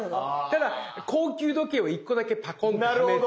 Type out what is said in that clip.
だから高級時計を１個だけパコンとはめて。